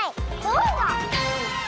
どうぞ！